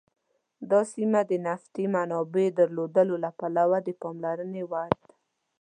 دا سیمه د نفتي منابعو درلودلو له پلوه د پاملرنې وړ ده.